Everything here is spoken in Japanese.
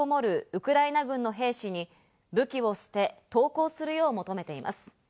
ウクライナ軍の兵士に武器を捨て投降するよう求めています。